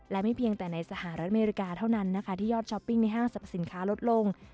และไม่เพียงแต่ในสหรัฐอเมริกาเท่านั้นนะคะที่ยอดช้อปปิ้งในห้างสรรพสินค้าลดลง